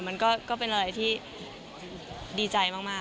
มันก็เป็นอะไรที่ดีใจมาก